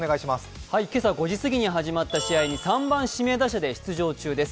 今朝５時過ぎに始まった試合に３番・指名打者で出場中です。